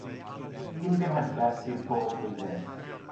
Un genhedlaeth sydd bob blwyddyn.